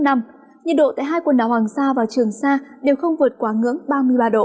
nhiệt độ tại hai quần đảo hoàng sa và trường sa đều không vượt quá ngưỡng ba mươi ba độ